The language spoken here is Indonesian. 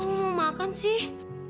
kok mau makan sih